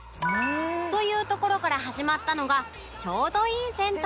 というところから始まったのがちょうどいい銭湯